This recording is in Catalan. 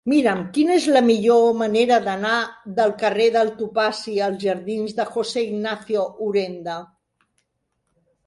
Mira'm quina és la millor manera d'anar del carrer del Topazi als jardins de José Ignacio Urenda.